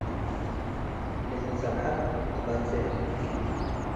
. ለኢጸብሐት ትበዝሕ፣